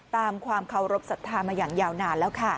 ความเคารพสัทธามาอย่างยาวนานแล้วค่ะ